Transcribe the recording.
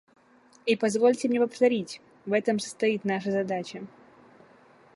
И позвольте мне повторить: в этом состоит наша задача.